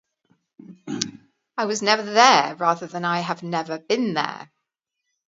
I was never there" rather than "I have never been there".